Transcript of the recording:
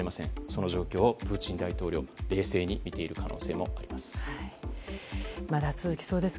その状況をプーチン大統領は冷静に見ている可能性もあります。